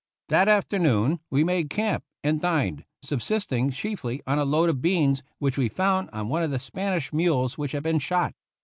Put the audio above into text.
That afternoon we made camp and dined, sub sisting chiefly on a load of beans which we found on one of the Spanish mules which had been shot.